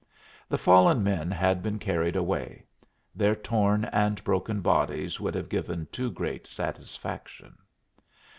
The fallen men had been carried away; their torn and broken bodies would have given too great satisfaction.